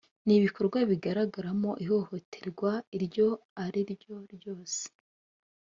ni ibikorwa bigaragaramo ihohoterwa iryo ariryo ryose